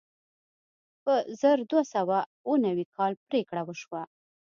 په زر دوه سوه اوه نوي کال پرېکړه وشوه.